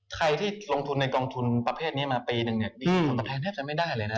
ใครที่ลงทุนในกองทุนประเภทนี้มาปีนึงมีผลตอบแทนแทบจะไม่ได้เลยนะครับ